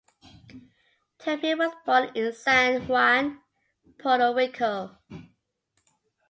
Tapia was born in San Juan, Puerto Rico.